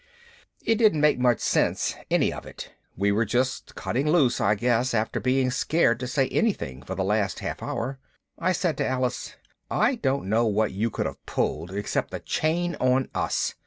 It didn't make much sense, any of it. We were just cutting loose, I guess, after being scared to say anything for the last half hour. I said to Alice, "I don't know what you could have pulled, except the chain on us."